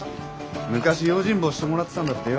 昔用心棒してもらってたんだってよ。